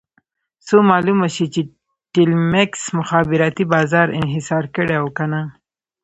څو معلومه شي چې ټیلمکس مخابراتي بازار انحصار کړی او که نه.